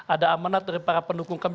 ada amanat dari para pendukung kami